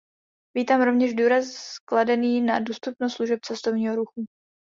Vítám rovněž důraz kladený na dostupnost služeb cestovního ruchu.